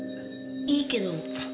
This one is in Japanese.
いいけど。